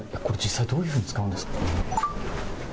これ、実際どういうふうに使うんですか？